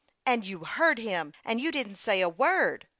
" And you heard him ! And you didn't say a word